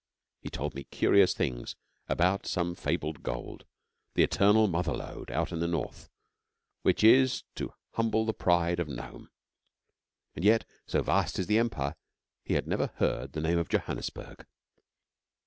He told me curious things about some fabled gold the Eternal Mother lode out in the North, which is to humble the pride of Nome. And yet, so vast is the Empire, he had never heard the name of Johannesburg!